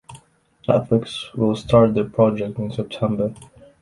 Netflix will start the project in September.